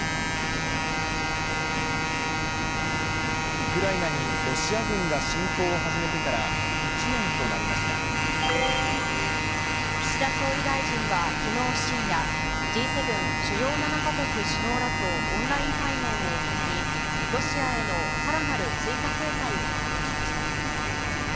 ウクライナにロシア軍が侵攻岸田総理大臣はきのう深夜、Ｇ７・主要７か国首脳らとオンライン会合を行い、ロシアへのさらなる追加制裁を発表しました。